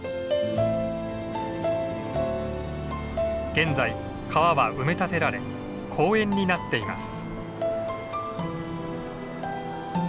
現在川は埋め立てられ公園になっています。